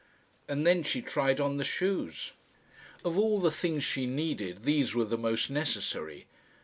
And then she tried on the shoes. Of all the things she needed these were the most necessary.